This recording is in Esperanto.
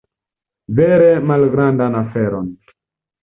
Vere malgravan aferon.